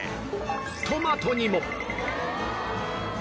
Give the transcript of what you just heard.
トマトにも